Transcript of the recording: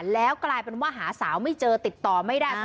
แล้วกลายเป็นว่าหาสาวไม่เจอติดต่อไม่ได้